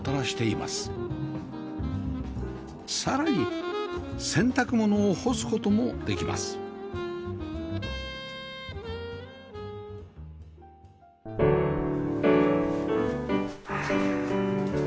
さらに洗濯物を干す事もできますはあ。